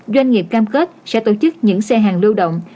doanh nghiệp cam kết sẽ tổ chức những xe hàng lưu động